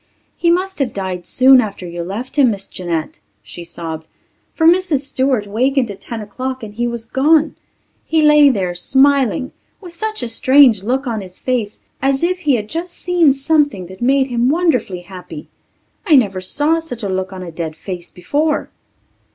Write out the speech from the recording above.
"He must have died soon after you left him, Miss Jeanette," she sobbed, "for Mrs. Stewart wakened at ten o'clock and he was gone. He lay there, smiling, with such a strange look on his face as if he had just seen something that made him wonderfully happy. I never saw such a look on a dead face before."